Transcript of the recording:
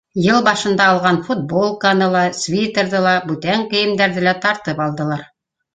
Йыл башында алған футболканы ла, свитерҙы ла, бүтән кейемдәрҙе лә тартып алдылар.